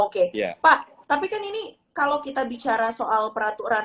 oke pak tapi kan ini kalau kita bicara soal peraturan